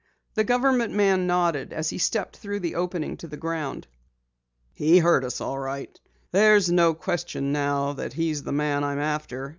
The government man nodded as he stepped through the opening to the ground. "He heard us all right. There's no question now that he's the man I am after!